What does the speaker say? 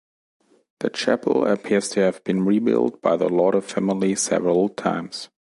The chapel appears to have been rebuilt by the Lauder family several times.